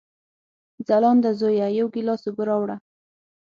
ځلانده زویه، یو ګیلاس اوبه راوړه!